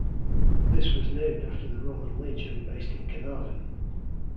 This was named after the Roman legion based in Caernarfon.